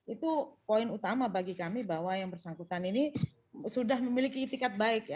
itu poin utama bagi kami bahwa yang bersangkutan ini sudah memiliki itikat baik